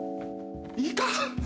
いいか。